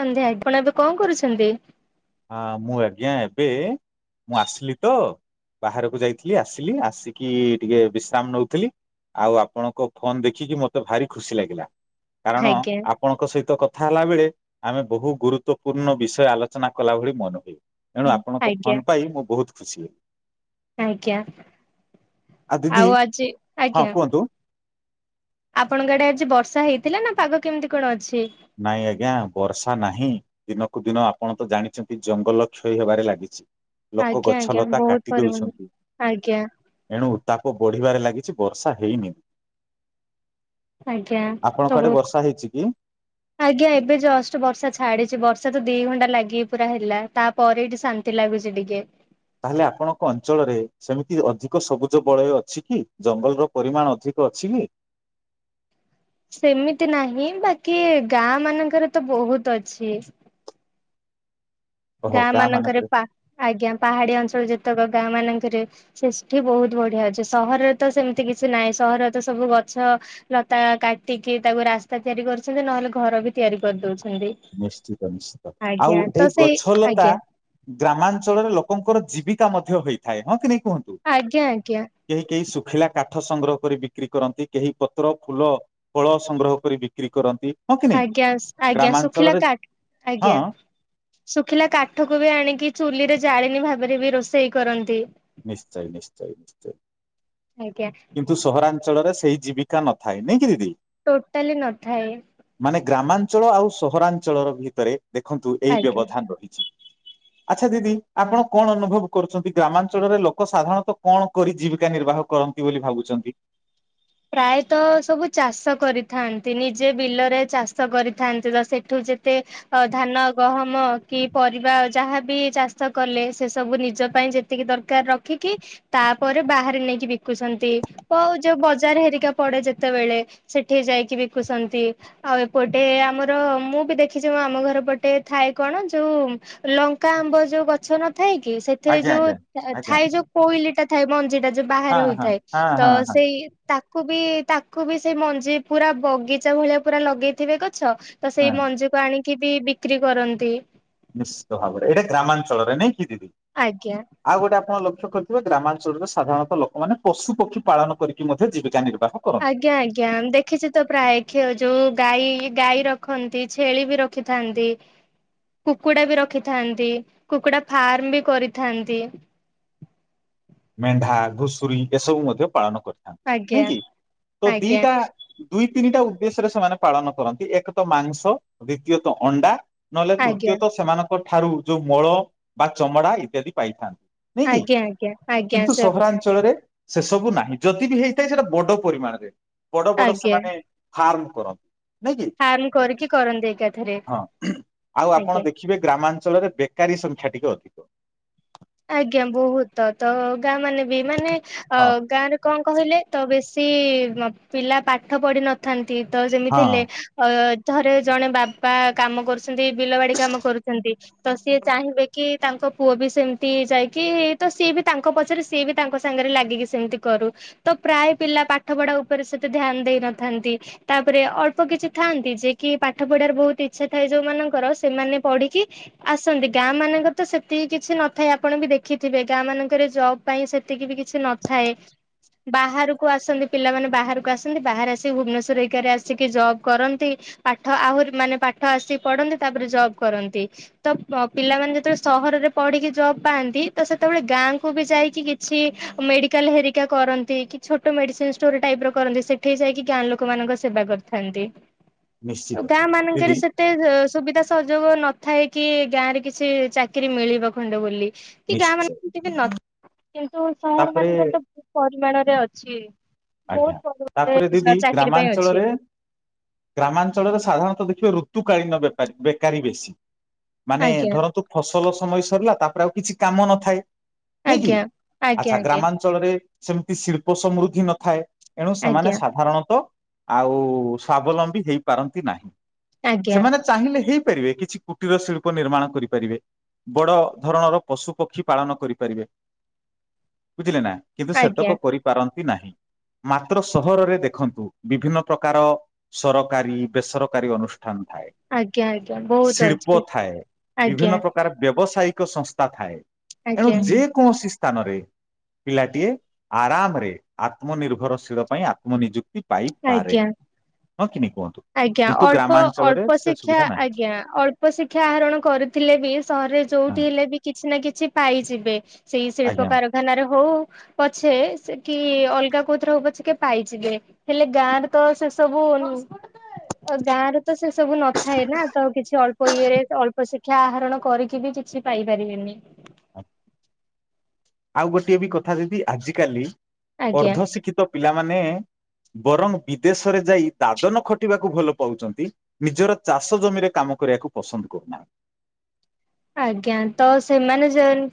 ସନ୍ଧ୍ୟା ଆପଣ ଏବେ କଣ କରୁଛନ୍ତି? ହଁ ମୁଁ ଆଜ୍ଞା ଏବେ ମୁଁ ଆସିଲି ତ, ବାହାରକୁ ଯାଇଥିଲି, ଆସିଲି ଆସିକି ଟିକେ ବିଶ୍ରାମ ନଉଥିଲି। ଆଉ ଆପଣଙ୍କ ଫୋନ୍ ଦେଖିକି ମୋତେ ଭାରି ଖୁସି ଲାଗିଲା କାରଣ ଆଜ୍ଞା ଆପଣଙ୍କ ସହିତ କଥା ହେଲା ବେଳେ ଆମେ ବହୁ ଗୁରୁତ୍ୱପୂର୍ଣ୍ଣ ବିଷୟ ଆଲୋଚନା କଲା ଭଳି ମନେ ହୁଏ ଏଣୁ ଆପଣଙ୍କ ଆଜ୍ଞା ଫୋନ୍ ପାଇ ମୁଁ ବହୁତ ଖୁସି ହୁଏ ଆଜ୍ଞା ହଁ ଦିଦି ଆଉ ଆଜି ହଁ ଆଜ୍ଞା କୁହନ୍ତୁ ଆପଣଙ୍କ ଆଡେ ଆଜି ବର୍ଷା ହୋଇଥିଲା ନା ପାଗ କେମିତି କଣ ଅଛି? ନାଇଁ ଆଜ୍ଞା ବର୍ଷା ନାହିଁ। ଦିନକୁ ଦିନ ଆପଣ ତ ଜାଣିଛନ୍ତି ଜଙ୍ଗଲ କ୍ଷୟ ହେବାରେ ଲାଗିଛି ଲୋକ ଆଜ୍ଞା ଗଛ ଆଜ୍ଞା ଲତା ବହୁତ କାଟି ପରିମାଣ ଦେଉଛନ୍ତି ଆଜ୍ଞା ଏଣୁ ଉତ୍ତାପ ବଢ଼ିବାରେ ଲାଗିଛି ବର୍ଷା ହେଇନି ଆଜ୍ଞା ଆପଣଙ୍କ ସବୁ ଆଡ଼େ ବର୍ଷା ହୋଇଛି କି? [inaudible] ଆଜ୍ଞା ଏବେ ଜଷ୍ଟ ବର୍ଷା ଛାଡିଛି ବର୍ଷା ତ ଦି ଘଣ୍ଟା ଲାଗିକି ପୁରା ହେଲା ଲାଗୁଛି ଟିକେ ତାହେଲେ ଆପଣଙ୍କ ଅଞ୍ଚଳରେ ସେମିତି ଅଧିକ ସବୁଜ ବଳୟ ଅଛି କି? ଜଙ୍ଗଲର ପରିମାଣ ଅଧିକ ଅଛି କି? ସେମିତି ନାହିଁ ବାକି ଗାଁ ମାନଙ୍କରେ ତ ବହୁତ ଅଛି ଗାଁ ମାନଙ୍କରେ ପା ଆଜ୍ଞା ପାହାଡିଆ ଅଞ୍ଚଳ ଯେତେକ ଗାଁମାନଙ୍କରେ ସ୍ରୁଷ୍ଟି ବହୁତ୍ ବଢିଆ ଅଛି। ସହରରେ ତ ସେମିତି କିଛି ନାହିଁ ସହରରେ ସବୁ ଗଛ ଲତା କାଟିକି ତାକୁ ରାସ୍ତା ତିଆରି କରୁଛନ୍ତି ନହେଲେ ଘର ତିଆରି କରୁଛନ୍ତି ନିଶ୍ଚିତ ଆଉ ଏଇ ସେଇ ଗଛଲତା- ଆଜ୍ଞା ଗ୍ରାମାଞ୍ଚଳରେ ଲୋକଙ୍କର ଜୀବିକା ମଧ୍ୟ ହୋଇଥାଏ। ହଁ କି ନାହିଁ କୁହନ୍ତୁ। ଆଜ୍ଞା ଆଜ୍ଞା କେହିକେହି ଶୁଖିଲା କାଠ ସଂଗ୍ରହ କରି ବିକ୍ରି କରନ୍ତି କେହି ପତ୍ର ଫୁଲ ଫଳ ସଂଗ୍ରହ କରି ବିକ୍ରି କରନ୍ତି ହଁ କି ନାଇଁ ଆଜ୍ଞା ଆଜ୍ଞା ଶୁଖିଲା ଗ୍ରାମାଞ୍ଚଳରେ କାଠ ହଁ ଆଜ୍ଞା ଶୁଖିଲା କାଠକୁ ବି ଆଣିକି ଚୁଲିରେ ଜାଣେନି ଭାବରେ ବି ରୋଷେଇ କରନ୍ତି ନିଶ୍ଚୟ ନିଶ୍ଚୟ ନିଶ୍ଚୟ ଆଜ୍ଞା କିନ୍ତୁ ସହରାଞ୍ଚଳରେ ସେଇ ଜୀବିକା ନଥାଏ ନେଇଁ କି ଦିଦି ଟୋଟାଲି ନଥାଏ ମାନେ ଗ୍ରାମାଞ୍ଚଳ ଆଉ ସହରାଞ୍ଚଳର ଭିତରେ ଦେଖନ୍ତୁ ଏଇ ଆଜ୍ଞା। ବ୍ୟବଧାନ ରହିଛି [inaudible] ଆଚ୍ଛା ଦିଦି ଆପଣ କଣ ଅନୁଭବ କରୁଛନ୍ତି ଗ୍ରାମାଞ୍ଚଳରେ ଲୋକ ସାଧାରଣତଃ କଣ କରି ଜୀବିକା ନିର୍ବାହ କରନ୍ତି ନ୍ତି ବୋଲି ଭାବୁଛନ୍ତି। ପ୍ରାୟତ ସବୁ ଚାଷ କରି ଥାଆନ୍ତି ନିଜେ ବିଲରେ ଚାଷ କରି ଥାଆନ୍ତି ତ ସେଠୁ ଯେତେ - ତ ଧାନ ଗହମ କି ପରିବା ଯାହାବି ଚାଷ କଲେ ସେସବୁ ନିଜ ପାଇଁ ଯେତି ଯେତିକି ଦରକାର୍ ରଖିକି ତାପରେ ବାହାରେ ନେଇକି ବିକୁଛନ୍ତି ବଜାର୍ ହେରିକା ପଡେ ଯେତେବେଳେ ସେଠି ଯାଇକି ବିକୁଛନ୍ତି ଆଉ ଏପଟେ ଆମର ମୁଁ ବି ଦେଖିଛି ଆମ ଘରପଟେ ଥାଏ କଣ ଯଉ - ଲଙ୍କା ଆମ୍ବ ଯୋଉ ଗଛ ନଥାଏ କି ସେଥିରେ ଆଜ୍ଞା ଯଉ ଆଜ୍ଞା ଆଜ୍ଞା। ଥାଏ ଯଉ କୋଇଲିଟା ଥାଏ ମଞ୍ଜିଟା ଯୋଉ ବାହାରେ ହଁ ହଁ ହୋଇଥାଏ ହଁ ତ ହଁ ହଁ ସେଇ ତାକୁ ବି ତାକୁ ବି ସେଇ ମଞ୍ଜି ପୁରା ବଗିଚା ଭଳିଆ ପୁରା ଲଗେଇଥିବେ କ ଛ ତ ସେଇ ହଁ ମଞ୍ଜିକୁ ଆଣିକି ବି ବିକ୍ରି କରନ୍ତି। ନିଶ୍ଚିତ ଭାବରେ ଏଟା ଗ୍ରାମାଞ୍ଚଳରେ ନାଇଁ କି ଦିଦି? ଆଜ୍ଞା। ଆଉ ଗୋଟେ ଆପଣ ଲକ୍ଷ୍ୟ କରିଥିବେ ଗ୍ରାମାଞ୍ଚଳରେ ସାଧାରଣତଃ ଲୋକମାନେ ପଶୁପକ୍ଷୀ ପାଳନ କରିକି ମଧ୍ୟ ଜୀବିକା ନିର୍ବାହ କରନ୍ତି। ଆଜ୍ଞା ଆଜ୍ଞା ଦେଖିଛି ତ ପ୍ରାୟ କ୍ଷ ଯୋଉ ଗାଈ ଗାଈ ରଖନ୍ତି ଛେଳି ବି ର ଖିଥାଆନ୍ତି। କୁକୁଡ଼ା ବି ରଖିଥାଆନ୍ତି। କୁକୁଡ଼ା ଫାର୍ମ ବି କରିଥାଆନ୍ତି। ମେଣ୍ଢା ଘୁଷୁରୀ ଏସବୁ ମଧ୍ୟ ପାଳନ କରିଥାନ୍ତି ନାଇଁ ଆଜ୍ଞା କି? ତୋ ଆଜ୍ଞା ଦିଟା ଦୁଇ ତିନିଟା ଉଦ୍ଦେଶ୍ୟରେ ସେମାନେ ପାଳନ କରନ୍ତି ଏକ ତ ମାଂସ, ଦ୍ଵିତୀୟତଃ ଅଣ୍ଡା ନହେଲେ ଆଜ୍ଞା ତୃତୀୟତ ସେମାନଙ୍କ ଠାରୁ ଯୋଉ ମୂଳ ବା ଚମଡା ଇତ୍ୟାଦି ପାଇଥାନ୍ତି। ନାଇଁ କି ଆଜ୍ଞା। ଆଜ୍ଞା ଆଜ୍ଞା କିନ୍ତୁ ସ ସହରାଞ୍ଚଳରେ ସେ ସବୁ ନାହିଁ ଯଦି ବି ହେଇଥାଏ ସେଟା ବଡ଼ ପରିମାଣରେ। ବଡ଼ ବଡ଼ ଆଜ୍ଞା ସେମାନେ ଫାର୍ମ କରନ୍ତି। ନାଇଁ କି ଫାର୍ମ କରିକି କରନ୍ତି ଏକାଥରେ ହଁ ଆଉ ଆଜ୍ଞା। ଆପଣ ଦେଖି ଖିବେ ଗ୍ରାମାଞ୍ଚଳରେ ବେକାରୀ ସଂଖ୍ୟା ଟିକେ ଅଧିକ। ଆଜ୍ଞା ବୋହୁତ ତ ଗାଁମାନେ ବି ମାନେ ଅ ହଁ ଗାଁରେ କଣ କହିଲେ ତ ବେଶୀ ମ ପିଲା ପାଠ ପଢିି଼ନଥାନ୍ତି। ତ ଯେମିତି ହଁ ହେଲେ ଅ ଧରେ ଜଣେ ବାପା କାମ କରୁଛନ୍ତି ବିଲ ବାଡ଼ି କାମ କରୁଛନ୍ତି। ତ ସିଏ ଚାହିଁବେ କି ତାଙ୍କ ପୁଅ ବି ସେମ୍ ତି ଯାଇକି ତ ସିଏ ବି ତାଙ୍କ ପଛରେ ସିଏ ବି ତାଙ୍କ ସାଙ୍ଗରେ ଲାଗିକି ସେମତି କରୁ। ତ ପ୍ରାୟ ପିଲା ପାଠ ପଢ଼ା ଉପରେ ସେତେ ଧ୍ୟାନ୍ ଦେଇନଥାନ୍ତି। ତାପରେ ଅଳ୍ପ କିଛି ଥାଆନ୍ତି ଯେ କି ପାଠ ପଢ଼ାରେ ବୋହୁତ୍ ଇଚ୍ଛା ଥାଏ ଯୋଉମାନଙ୍କର ସେମାନେ ପଢ଼ିକି ଆସନ୍ତି ଗାଁମାନଙ୍କରେ ତ ସେତେ କିଛି ନ ଥାଏ ଆପଣ ବି ଦେଖିଥିବେ ଗାଁମାନଙ୍କରେ ଜବ୍ ପାଇଁ ସେତିକି ବି କିଛି ନଥାଏ। ବାହାରୁକୁ ଆସନ୍ତି ପିଲାମାନେ ବାହାରୁକୁ ଆସନ୍ତି ବାହାରେ ଆସି ଭୁବନେଶ୍ଵର ହେଇକାରେ ଆସିକି ଜବ୍ କରନ୍ତି। ପାଠ ଆହୁରି ମାନେ ପାଠ ଆସିି ପଢ଼ନ୍ତି ତାପରେ ଜବ୍ କରନ୍ତି। ତ ପ ପିଲାମାନେ ଯେତୋଳେ ସହରରେ ପଢି଼କି ଜବ୍ ପାଆନ୍ତି ତ ସେତୋଳେ ଗାଁକୁ ବି ଯାଇକି କିଛି ମେଡ଼ିକାଲ୍ ହେରିକା କରନ୍ତି କି ଛୋଟ ମେଡ଼ିସିନ୍ ଷ୍ଟୋର୍ ଟାଇପ୍ ର କରନ୍ତି। ସେଠି ଯାଇକି ଗାଁ ଲୋକମାନଙ୍କ ସେବା କରିଥାନ୍ତି। ଉ ନିଶ୍ଚିତ ଗାଁମାନଙ୍କରେ ଦିଦି ସେ ତେ ସୁବିଧା ସୁହଯୋଗ ନଥାଏ କି ଗାଁରେ କିଛି ଚାକିରୀ ମିଳିବ ଖଣ୍ଡେ ବୋଲି। କି ଗାଁ ମାନ ନିଶ୍ଚୟ କି ବି ନ କିନ୍ତୁ ତାପରେ ସହରମାନଙ୍କରେ ତ ବୋହୁ ପରିମାଣରେ ଅଛି। ଆଜ୍ଞା ବହୁତ ତାପରେ ପରିମାଣରେ ଦିଦି ଚାକିରି ପାଇଁ ଅଛି ଗ୍ରାମାଞ୍ଚଳରେ ଗ୍ରାମାଞ୍ଚଳରେ ସାଧାରଣତଃ ଦେଖିବେ ଋତୁକାଳୀନ ବେପାରୀ ବେକାରୀ ବେଶୀ। ମାନେ ଆଜ୍ଞା ଧରନ୍ତୁ ଫସଲ ସମୟ ସରିଲା ତାପରେ ଆଉ କିଛି କାମ ନଥାଏ। ନାଇଁ କି? ଆଜ୍ଞା। ଆଜ୍ଞା ଆଜ୍ଞା ଆଚ୍ଛା ଗ୍ରାମାନ୍ ଚଳରେ ସେମତି ଶିଳ୍ପ ସମୃଦ୍ଧି ନଥାଏ, ଏଣୁ ସେମାନେ ଆଜ୍ଞା ସାଧାରଣତଃ ଆଉ ସ୍ଵାବଲମ୍ବୀ ହେଇପାରନ୍ତି ନାହିଁ। ଆଜ୍ଞା ସେମାନେ ଚାହିଁଲେ ହେଇ ପାରିବେ କିଛି କୁଟୀର ଶିଳ୍ପ ନିର୍ମାଣ କରିପାରିବେ। ବଡ଼ ଧରଣର ପଶୁପକ୍ଷୀ ପାଳନ କରିପାରିବେ। ବୁଝିଲେ ନା? କିନ୍ତୁ ଆଜ୍ଞା ସେତକ କରିପାରନ୍ତି ନାହିଁ ମାତ୍ର ସହରରେ ଦେଖନ୍ତୁ ବିଭିନ୍ନ ପ୍ରକାର ସରକାରୀ ବେସରକାରୀ ଅନୁଷ୍ଠାନ ଥାଏ। ଆଜ୍ଞା ଆଜ୍ଞା ବହୁତ ଶିଳ୍ପ ଅଛି। ଥାଏ, ଆଜ୍ଞା ବିଭିନ୍ନ ପ୍ର ତାର ବ୍ୟବସାୟିକ ସଂସ୍ଥା ଥାଏ। ଏଣୁ ଆଜ୍ଞା ଯେକୌଣସି ତାନରେ ପିଲାଟିଏ ଆରାମରେ ଆତ୍ମନିର୍ଭରଶୀଳ ପାଇଁ ଆତ୍ମ ନିିଯୁକ୍ତି ପାଇପାରେ, ଆଜ୍ଞା ହଁ କି ନାଇଁ କୁହନ୍ତୁ? ଆଜ୍ଞା କିନ୍ତୁ ଅଳ୍ପ ଗ୍ରାମାଞ୍ଚଳରେ ଅଳ୍ପ ସେ ଶିକ୍ଷା ସୁବିଧା ନାହିଁ ଆଜ୍ଞା ଅଳ୍ପ ଶିକ୍ଷା ଆହରଣ କରି ଥିଲେ ବି ସହରରେ ହଁ ଯୋଉଠି ହେଲେ ବି କିଛି ନା କିଛି ପାଇଯିବେ ସେଇ ଆଜ୍ଞା। ଶିଳ୍ପକାର ଥାନାରେ ହଉ ପଛେ ସେ କି ଅଲଗା କୋଉଥିରେ ହଉ ପଛେ କି ପାଇଯିବେ। ହେଲେ ଗାଁରେ ତ ସେ ସବୁ ଆ ଗାଁ ରେ ତ ସେ ସବୁ ନଥାଏ ନା ତ କିଛି ଅଳ୍ପ ଇଏରେ ଅଳ୍ପ ଶିକ୍ଷା ଆହରଣ କରିକି ବି କିଛି ପାଇପାରିବେନି। [unintelligible] ଆଉ ଗୋଟିଏ ବି କଥା ଦିଦି ଆଜିିକାଲି ଆଜ୍ଞା। ଅର୍ଦ୍ଧ ଶିକ୍ଷିତ ପିଲାମାନେ ବରଂ ବିଦେଶରେ ଯାଇ ଦାଦନ ଖଟିବାକୁ ଭଲ ପାଉଛନ୍ତି ନିଜର ଚାଷ ଜମିରେ କାମ କରିବାକୁ ପସନ୍ଦ କରୁନାହାନ୍ତି। ଆଜ୍ଞା। ତ ସେମାନେ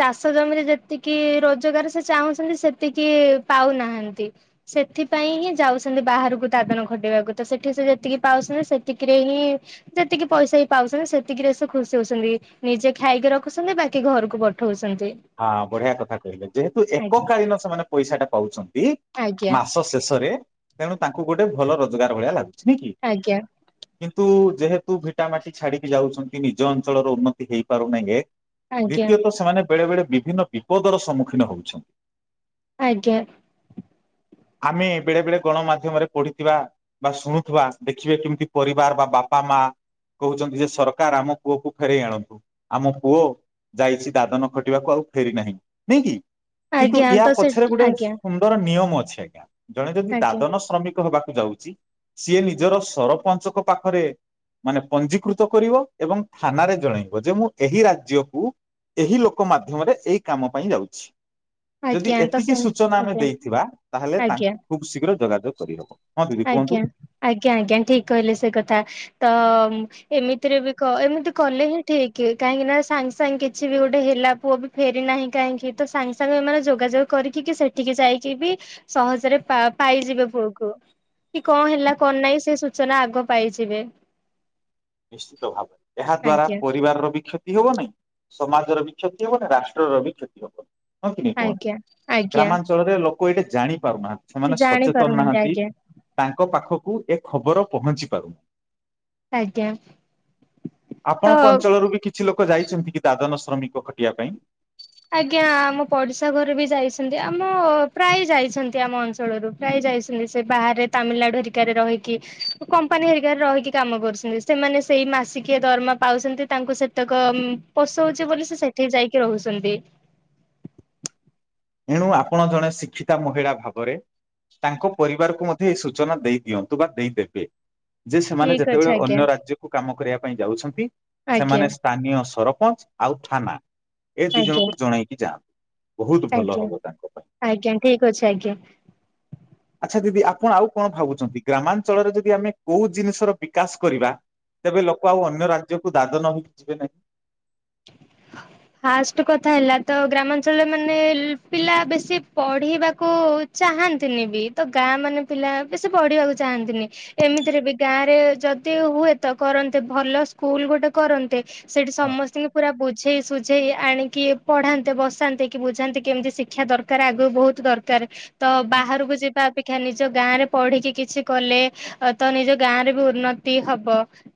ଚାଷ ଜମିରେ ଯେତିକି ରୋଜଗାର ସେ ଚାହୁଁଛନ୍ତି ସେତିକ ପାଉନାହାନ୍ତି। ସେଥିପାଇଁ ହିଁ ଯାଉଛନ୍ତି ବାହାରକୁ ଦାଦନ ଖଟିବାକୁ ତ ସେଠି ସେ ଯେତିକି ପାଉଛନ୍ତି ସେତିକିରେ ହିଁ ଯେତିକି ପଇସା ବି ପାଉଚନ୍ତି ସେତିକି ରେ ସେ ଖୁସି ହୋଉଚନ୍ତି। ନିଜେ ଖାଇକି ରଖୁଛନ୍ତି ବାକି ଘରକୁ ପଠଉଛନ୍ତି। ହଁ ବଢିଆ କଥା କହିଲେ ଯେହେତୁ ଆଜ୍ଞା ଏକକାଳୀନ ସେମାନେ ପଇସା ଟା ପାଉଛନ୍ତି ଆଜ୍ଞା ମାସ ଶେଷରେ ତେଣୁ ତାଙ୍କୁ ଗୋଟେ ଭଲ ରୋଜଗାର ଭଳିଆ ଲାଗୁଛି। ନୁହେ କି? ଆଜ୍ଞା। କିନ୍ତୁ ଯେହେତୁ ଭିଟାମାଟି ଛାଡିକି ଯାଉଛନ୍ତି ନିଜ ଅଞ୍ଚଳର ଉନ୍ନତି ହେଇପାରୁନଙ୍ଗେ ଆଜ୍ଞା ଦ୍ୱିତୀୟତଃ ସେମାନେ ବେଳେବେଳେ ବିଭିନ୍ନ ବିପଦର ସମ୍ମୁଖୀନ ହେଉଛନ୍ତି। ଆଜ୍ଞା। ଆମେ ବେଳେ ବେଳେ ଗଣମାଧ୍ୟମରେ ପଢିଥିବା ବା ଶୁଣୁଥିବା ଦେଖିବେ କେମିତି ପରିବାର ବା ବାପା ମା କହୁଛନ୍ତି ଯେ ସରକାର ଆମ ପୁଅକୁ ଫେରେଇ ଆଣନ୍ତୁ। ଆମ ପୁଅ ଯାଇଛି ଦାଦନ ଘଟିବାକୁ ଆଉ ଫେରି ନାହିଁ। ନୁହେ କି କିନ୍ତୁ ଆଜ୍ଞା ୟା ତ ସେ ପଛରେ ଗୋଟେ ଆଜ୍ଞା ସୁ ନ୍ଦର ନିୟମ ଅଛି ଆଜ୍ଞା ଜଣେ ଯଦି ଆଜ୍ଞା ଦାଦନ ଶ୍ରମିକ ହେବାକୁ ଯାଉଛି ସିଏ ନିଜର ସରପଞ୍ଚଙ୍କ ପାଖରେ ମାନେ ପଞ୍ଜିକୃତ କରିବ ଏବଂ ଥାନାରେ ଜଣେଇବ ଯେ ମୁଁ ଏହି ରାଜ୍ୟକୁ ଏହି ଲୋକ କ ମାଧ୍ୟମରେ ଏଇ କାମ ପାଇଁ ଯାଉଛି। ଯଦି ଆଜ୍ଞା ତ ଏତିକି ସେ ସୂଚନା ଆମେ ଆଜ୍ଞା ଦେଇଥିବା ତାହେଲେ ଆଜ୍ଞା। ତାଙ୍କୁ ଖୁବ ଶୀଘ୍ର ଯୋଗାଯୋଗ କରିହବ। ଆଜ୍ଞା ଆଜ୍ଞା ଆଜ୍ଞା ଠିକ କହିଲେ ସେ କଥା ତ ଏମିତିରେ ବି କ ଏମିତି କଲେ ହିଁ ଠିକ କାହିଁକି ନା ସାଙ୍ଗେ ସାଙ୍ଗେ କିଛି ବି ଗୋଟେ ହେଲା ପୁଅ ବି ଫେରି ନାହିଁ କାହିଁକି ତ ସାଙ୍ଗେ ସାଙ୍ଗେ ଏମାନେ ଯୋଗାଯୋଗ କରିକି କିି ସେଠିକି ଯାଇକି ବି ସହଜରେ ପା ପାଇଯିବେ ପୁଅକୁ। କି କଣ ହେଲା କଣ ନାହିଁ ସେ ସୂଚନା ଆଗ ପାଇଯିବେ। ନିଶ୍ଚିତ ଭାବରେ ଏହା ଦ୍ଵାରା ଆଜ୍ଞା ପରିବାରର ବି କ୍ଷତି ହବ ନାହିଁ। ସମାଜର ବି କ୍ଷତି ହବ ନା ରାଷ୍ଟ୍ରର ବି କ୍ଷତି ହବ। ହଁ କି ନାଇ କୁହନ୍ତୁ? ଆଜ୍ଞା ଆଜ୍ଞା ଗ୍ରାମାଞ୍ଚଳ ଞ୍ଚଳରେ ଲୋକ ଏଇଠେ ଜାଣି ପାରୁନାହାନ୍ତି। ସେମାନେ ଜାଣି ସଚେତନ ପାରୁନାହାନ୍ତି ନାହାନ୍ତି। ଆଜ୍ଞା ତାଙ୍କ ପାଖକୁ ଏ ଖବର ପହଞ୍ଚି ପାରୁନି। ଆଜ୍ଞା। ତ ଆପଣଙ୍କ ଅଞ୍ଚଳରୁ ବି କିଛି ଲୋକ ଯାଇଛନ୍ତି କି ଦାଦନ ଶ୍ରମିକ ଖଟିବା ପାଇଁ? ଆଜ୍ଞା ଆମ ପଡିଶା ଘରେ ବି ଯାଇଛନ୍ତି ଆମ ପ୍ରାୟ ଯାଇଛନ୍ତି ଆମ ଅଞ୍ଚଳରୁ। ପ୍ରାୟ ଯାଇଛନ୍ତି ସେ ବାହାରେ ତାମିଲନାଡୁ ହେରିକାରେ ରହିକି କମ୍ପାନୀ ହେରିକାରେ ରହିକି କାମ କରୁଛନ୍ତି। ସେମାନେ ସେଇ ମାସିକିଏ ଦରମା ପାଉଛନ୍ତି ତାଙ୍କୁ ସେତେକ ପୋଶଉଛି ବୋଲି ସେ ସେଠି ଯାଇକି ରହୁଛନ୍ତି। ଏଣୁ ଆପଣ ଜଣେ ଶିକ୍ଷିତା ମହିଳା ଭାବରେ ତାଙ୍କ ପରିବାରକୁ ମଧ୍ୟ ଏଇ ସୂଚନା ଦେଇ ଦିଅନ୍ତୁ ବା ଦେଇଦେବେ। ଯେ ସେମାନେ ଠିକ ଅଛି ଯେତେବେଳେ ଆଜ୍ଞା ଅନ୍ୟ ରାଜ୍ୟକୁ କାମ କରିବା ପାଇଁ ଯାଉଛନ୍ତି ସେମାନେ ଆଜ୍ଞା ସ୍ଥାନୀୟ ସରପଞ୍ଚ ଆଉ ଥାନା ଏ ଦି ଆଜ୍ଞା ଜଣଙ୍କୁ ଜଣେଇକି ଯାଆନ୍ତୁ। ବହୁତ ଭଲ ଆଜ୍ଞା ହବ ତାଙ୍କ ପାଇଁ। ଆଜ୍ଞା ଠିକ ଅଛି ଆଜ୍ଞା। ଆଚ୍ଛା ଦିଦି ଆପଣ ଆଉ କଣ ଭାବୁଛନ୍ତି, ଗ୍ରାମାଞ୍ଚଳରେ ଯଦି ଆମେ କୋଉ ଜିନିଷର ବିକାଶ କରିବା ତେବେ ଲୋକ ଆଉ ଅନ୍ୟ ରାଜ୍ୟକୁ ଦାଦନ ହେଇକି ଯିବେ ନାହିଁ? ଫାଷ୍ଟ କଥା ହେଲା ତ ଗ୍ରାମାଞ୍ଚଳରେ ମାନେ ପିଲା ବେଶୀ ପଢିବାକୁ ଚାହାଁନ୍ତିନି ବି ତ ଗାଁ ମାନେ ପିଲା ବି ସେ ପଢିବାକୁ ଚାହାଁନ୍ତିନି। ଏମିତିରେ ବି ଗାଁ ରେ ଯଦି ହୁଏତ କରନ୍ତେ ଭଲ ସ୍କୁଲ ଗୋଟେ କରନ୍ତେ ସେଠି ହଁ ସମସ୍ତଙ୍କ ବୁଝେଇ ସୁଝେଇ ଆଣିକି ପଢାନ୍ତେ ବସାନ୍ତେ କି ବୁଝାନ୍ତେ କେମିତି ଶିକ୍ଷା ଦରକାର ଆଗକୁ ବହୁତ ଦର ତ ବାହାରକୁ ଯି ବା ଅପେକ୍ଷା ନିଜ ଗାଁ ରେ ପଢିକି କିଛି କଲେ, ତ ନିଜ ଗାଁ ରେ ବି ଉନ୍ନତି ହବ।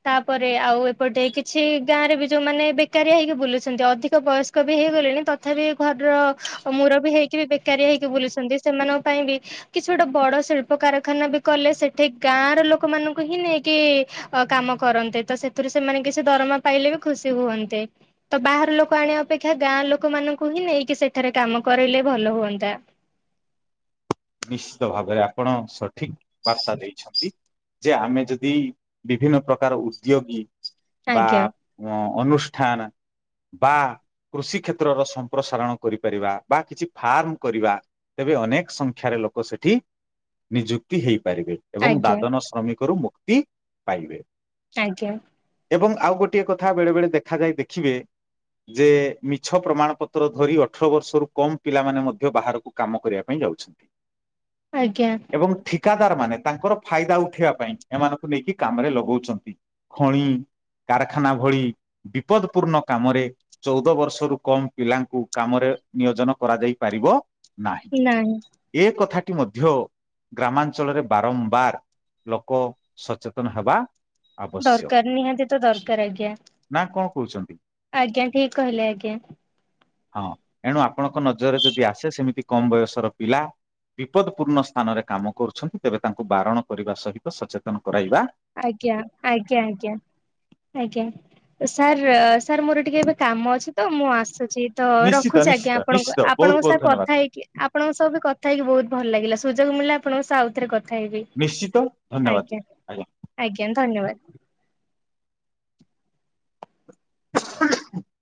ତାପରେ ଆଉ ଏପଟେ କିଛି ଗାଁରେ ବି ଯୋଉମାନେ ଏବେ ବେକାରିଆ ହେଇକି ବୁଲୁଛନ୍ତି ଅଧିକ ବୟସ୍କ ବି ହେଇଗଲେଣି ତଥାପି ଘରର ମୁରବି ହେଇକି ବି ବେକାରୀଆ ହେଇକି ବୁଲୁଛନ୍ତି ସେମାନଙ୍କ ପାଇଁ ବି କିଛି ଗୋଟେ ବଡ ଶିଳ୍ପ କାରଖାନା ବି କଲେ ସେଠି ଗାଁ ର ଲୋକମାନଙ୍କୁ ହିଁ ନେଇକି ଅ କାମ କରନ୍ତେ ତ ସେଥିରୁ ସେମାନେ କିଛି ଦରମା ପାଇଲେ ବି ଖୁସି ହୁଅନ୍ତେ। ତ ବାହାର ଲୋକ ଆଣିବା ଅପେକ୍ଷା ଗାଁ ଲୋକମାନଙ୍କୁ ହିଁ ନେଇକି ସେଠାରେ କାମ କରାଇଲେ ଭଲ ହୁଅନ୍ତା। ନିଶ୍ଚିତ ଭାବରେ ଆପଣ ସଠିକ ବାର୍ତ୍ତା ଦେଇଛନ୍ତି। ଯେ ଆମେ ଯଦି ବିଭିନ୍ନ ପ୍ରକାର ଉଦ୍ୟୋଗୀ ବା ଆଜ୍ଞା ଉ ଅନୁଷ୍ଠାନା ବା କୃଷି କ୍ଷେତ୍ରର ସମ୍ପ୍ରସାରଣ କରିପାରିବା ବା କିଛି ଫାର୍ମ କରିବା ତେବେ ଅନେକ ସଂ ଖ୍ୟା ରେ ଲୋକ ସେଠି ନିଯୁକ୍ତି ହେଇପାରିବେ ଏବଂ ଆଜ୍ଞା ଦାଦନ ଶ୍ରମିକରୁ ମୁକ୍ତି ପାଇବେ। ଆଜ୍ଞା। ଏବଂ ଆଉ ଗୋଟିଏ କଥା ବେଳେ ବେଳେ ଦେଖାଯାଇ ଦେଖିବେ ଯେ ମିଛ ପ୍ରମାଣ ପତ୍ର ଧରି ଅଠର ବର୍ଷରୁ କମ ପିଲାମାନେ ମଧ୍ୟ ବାହାରକୁ କାମ କରିବା ପାଇଁ ଯାଉଛନ୍ତି। ଆଜ୍ଞା। ଏବଂ ଠିକାଦାର ମାନେ ତାଙ୍କର ଫାଇଦା ଉଠେଇବା ପାଇଁ ଏମାନଙ୍କୁ ନେଇକି କାମରେ ଲଗଉଛନ୍ତି। ଖଣି କାରଖାନା ଭଳି ବିପଦ ପୂର୍ଣ୍ଣ କାମରେ ଚଉଦ ବର୍ଷରୁ କମ ପିଲାଙ୍କୁ କାମରେ ନିୟୋଜନ କରାଯାଇ ପାରିବ ନାହିଁ। ନାଇଁ। ଏ କଥାଟି ମଧ୍ୟ ଗ୍ରାମାଞ୍ଚଳରେ ବାରମ୍ବାର ଲୋକ ସଚେତନ ହେବା ଆବଶ୍ୟକ ଦରକାର ନିହାତି ତ ଦରକାର ଆଜ୍ଞା। ନା କଣ କହୁଛନ୍ତି? ଆଜ୍ଞା ଠିକ କହିଲେ ଆଜ୍ଞା। ହଁ ଏଣୁ ଆପଣଙ୍କ ନଜରରେ ଯଦି ଆସେ ସେମିତି କମ ବୟସର ପିଲା ବିପଦ ପୂର୍ଣ୍ଣ ସ୍ଥାନରେ କାମ କରୁଛନ୍ତି ତେବେ ତାଙ୍କୁ ବାରଣ କରିବା ସହିତ ସଚେତନ କରାଇବା ଆଜ୍ଞା ଆଜ୍ଞା ଆଜ୍ଞା। ଆଜ୍ଞା ସାର୍ ସାର୍ ମୋର ଟିକେ ଏବେ କାମ ଅଛି ତ ମୁଁ ଆସୁଛି। ତ ନିଶ୍ଚିତ ରଖୁଛି ଆଜ୍ଞା ନିଶ୍ଚିତ ଆପଣଙ୍କୁ ନିଶ୍ଚିତ ବହୁତ ଆପଣଙ୍କ ସା ବହୁତ ଧନ୍ୟବାଦ କଥା ହେଇକି ଆପଣଙ୍କ ସହବୁ କଥା ହେଇକି ବହୁତ ଭଲ ଲାଗିଲା ସୁଯୋଗ ମିଳିଲା ଆପଣଙ୍କ ସାଉଥ ରେ କ ଖାଇବି ନିଶ୍ଚିତ ଧନ୍ୟବାଦ ଆଜ୍ଞା ଆଜ୍ଞା ଧନ୍ୟବାଦ। [unintelligible]